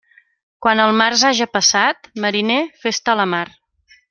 Quan el març haja passat, mariner, fes-te a la mar.